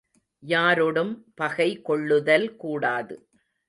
யாரொடும் பகை கொள்ளுதல் கூடாது.